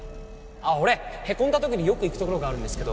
あっ俺へこんだ時によく行く所があるんですけど。